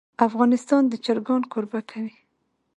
افغانستان د چرګان کوربه دی.